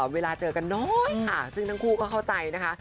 เวลาเจอกันน้อยค่ะซึ่งทั้งคู่ก็เข้าใจนะคะ